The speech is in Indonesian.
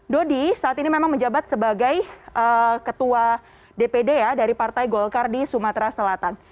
dodi saat ini memang menjabat sebagai ketua dpd ya dari partai golkar di sumatera selatan